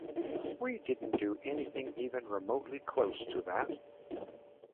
We didn't do anything even remotely close to that.